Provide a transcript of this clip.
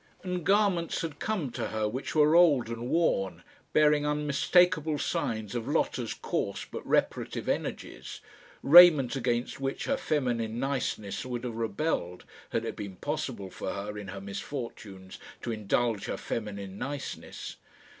And garments had come to her which were old and worn, bearing unmistakable signs of Lotta's coarse but reparative energies raiment against which her feminine niceness would have rebelled, had it been possible for her, in her misfortunes, to indulge her feminine niceness.